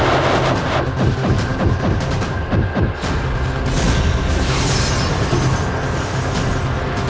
mereka akan menangkap signal damai putih nya seperti dalaman